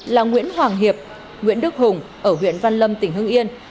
là nguyễn hoàng hiệp nguyễn đức hùng ở huyện văn lâm tỉnh hưng yên